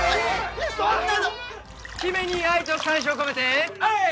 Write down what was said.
姫に愛と感謝を込めてウェイ！